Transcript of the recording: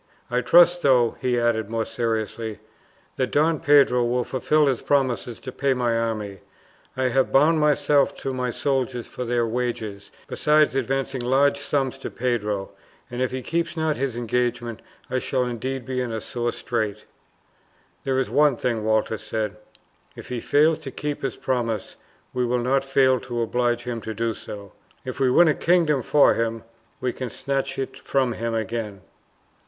I trust, though," he added more seriously, "that Don Pedro will fulfil his promises to pay my army. I have bound myself to my soldiers for their wages, besides advancing large sums to Pedro, and if he keeps not his engagements I shall indeed be in a sore strait." "There is one thing," Walter said; "if he fail to keep his promises, we will not fail to oblige him to do so. If we win a kingdom for him, we can snatch it from him again."